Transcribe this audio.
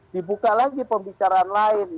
dibuka lagi pembicaraan lain